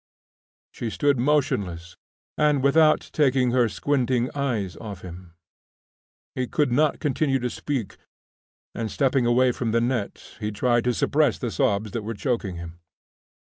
She stood motionless and without taking her squinting eyes off him. He could not continue to speak, and stepping away from the net he tried to suppress the sobs that were choking him.